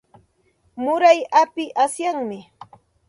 Muray api asyami.